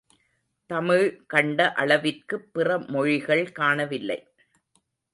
தமிழ் கண்ட அளவிற்குப் பிற மொழிகள் காணவில்லை.